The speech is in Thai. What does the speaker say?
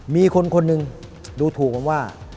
มีคนคนหนึ่งดูถูกผมว่า